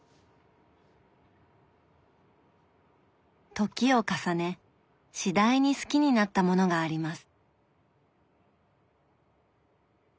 時を重ね次第に好きになったものがあります。